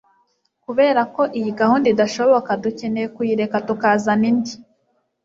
Kubera ko iyi gahunda idashoboka, dukeneye kuyireka tukazana indi